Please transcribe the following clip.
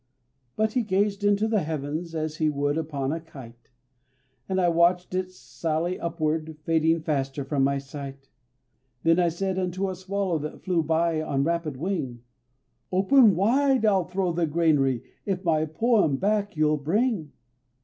But he gazed into the heavens as he would upon a kite, And I watched it sally upward, fading faster from my sight; Then I said unto a swallow that flew by on rapid wing, "Open wide I'll throw the granary if my poem back you'll bring."